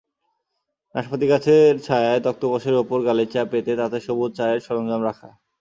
নাশপাতিগাছের ছায়ায় তক্তপোশের ওপর গালিচা পেতে তাতে সবুজ চায়ের সরঞ্জাম রাখা।